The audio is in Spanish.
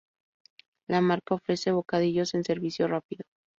La marca ofrece bocadillos en servicio rápido.